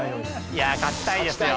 いや勝ちたいですよ。